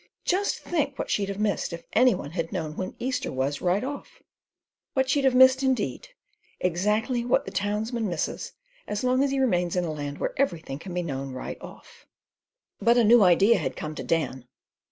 Just think what she'd have missed if any one had known when Easter was right off!" "What she'd have missed indeed. Exactly what the townsman misses, as long as he remains in a land where everything can be known right off." But a new idea had come to Dan.